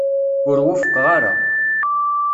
Ur wufqeɣ ara.